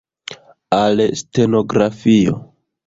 Al stenografio!